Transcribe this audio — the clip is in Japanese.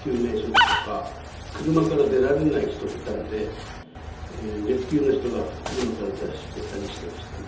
救命処置とか、車から出られない人がいたんで、レスキューの人が車から出してたりしてましたね。